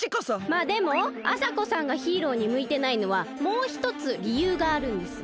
まあでもあさこさんがヒーローにむいてないのはもうひとつりゆうがあるんです。